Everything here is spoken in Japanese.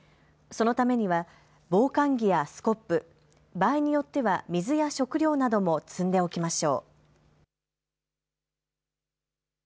そのためには防寒着やスコップ、場合によっては水や食料なども積んでおきましょう。